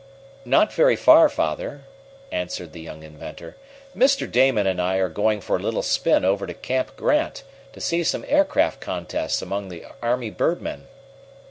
"Not very far, Father," answered the young inventor. "Mr. Damon and I are going for a little spin over to Camp Grant, to see some aircraft contests among the army birdmen."